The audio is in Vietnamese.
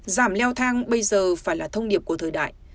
giảm leo thang bây giờ phải là thông điệp của thời đại